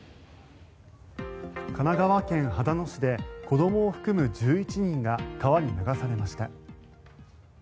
神奈川県秦野市で子どもを含む１１人が川に流されました。